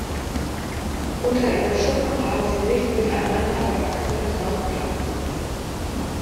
Unter ihren Schuppen haben sie nicht miteinander verwachsene Knochenplatten.